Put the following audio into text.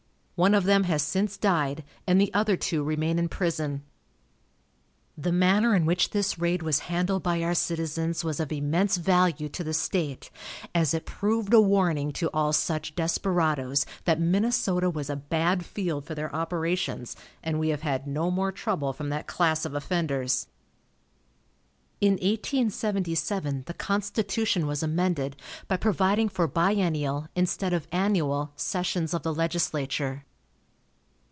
One of them has since died, and the other two remain in prison. The manner in which this raid was handled by our citizens was of immense value to the state, as it proved a warning to all such desperadoes that Minnesota was a bad field for their operations, and we have had no more trouble from that class of offenders. In 1877 the constitution was amended by providing for biennial, instead of annual, sessions of the legislature.